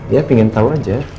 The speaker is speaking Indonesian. ya pingin tau aja